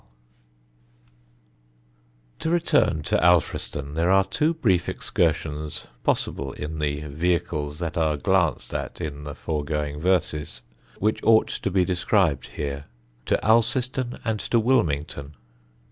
[Sidenote: ALCISTON] To return to Alfriston, there are two brief excursions (possible in the vehicles that are glanced at in the foregoing verses) which ought to be described here: to Alciston and to Wilmington.